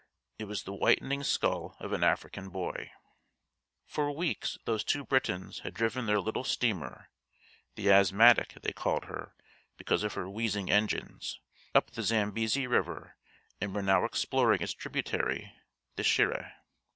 It was the whitening skull of an African boy. For weeks those two Britons had driven their little steamer (the Asthmatic they called her, because of her wheezing engines) up the Zambesi river and were now exploring its tributary the Shiré.